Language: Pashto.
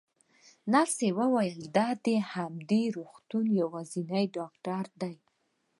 نرسې وویل: دی د همدې روغتون یوازینی ډاکټر دی.